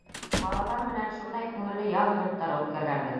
Балалар менән шундай күңелле ял минуттары үткәргәнбеҙ.